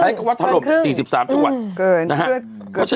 ใช้คำว่าถล่มสี่สิบสามจังหวัดอืมเกินนะฮะเกินทั้งหมด